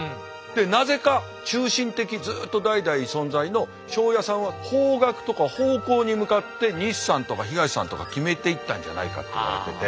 なぜか中心的にずっと代々存在の庄屋さんは方角とか方向に向かって西さんとか東さんとか決めていったんじゃないかって言われてて。